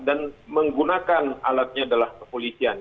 dan menggunakan alatnya adalah kepolisian